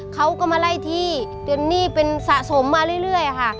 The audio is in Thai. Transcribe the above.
เขาก็มาไล่ที่จนหนี้เป็นสะสมมาเรื่อยค่ะ